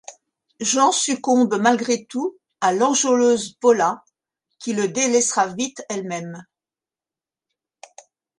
Jean succombe malgré tout à l'enjôleuse Pola, qui le délaissera vite elle-même.